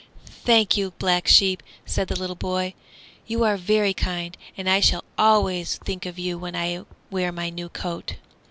"Thank you, Black Sheep," said the little boy; "you are very kind, and I shall always think of you when I wear my new coat."